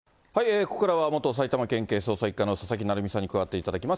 ここからは元埼玉県警捜査１課の佐々木成三さんに加わっていただきます。